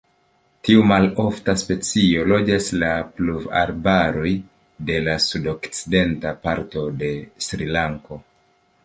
Tiu malofta specio loĝas la pluvarbaroj de la sudokcidenta parto de Srilanko.